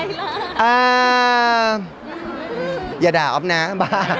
อัตโตอัตโตอะไรล่ะอ่าอย่าด่าออฟนะบ้า